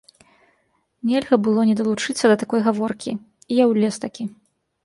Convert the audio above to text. Нельга было не далучыцца да такой гаворкі, і я ўлез-такі.